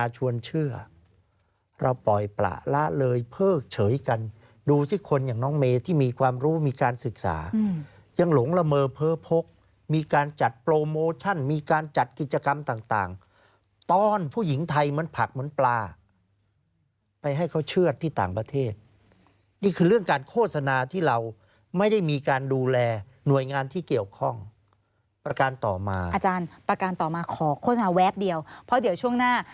ชวนเชื่อเราปล่อยประละเลยเพิกเฉยกันดูสิคนอย่างน้องเมที่มีความรู้มีการศึกษายังหลงละเมอเพ้อพกมีการจัดโปรโมชั่นมีการจัดกิจกรรมต่างตอนผู้หญิงไทยเหมือนผักเหมือนปลาไปให้เขาเชื่อที่ต่างประเทศนี่คือเรื่องการโฆษณาที่เราไม่ได้มีการดูแลหน่วยงานที่เกี่ยวข้องประการต่อมาอาจารย์ประการต่อมาขอโฆษณาแวบเดียวเพราะเดี๋ยวช่วงหน้า